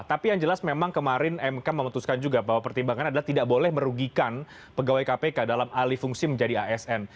tapi yang jelas memang kemarin mk memutuskan juga bahwa pertimbangan adalah tidak boleh merugikan pegawai kpk dalam alih fungsi menjadi asn